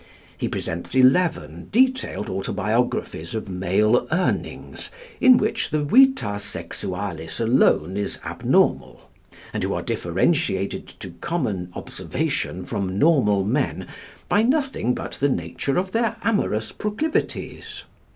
He presents eleven detailed autobiographies of male Urnings, in whom the vita sexualis alone is abnormal, and who are differentiated to common observation from normal men by nothing but the nature of their amorous proclivities.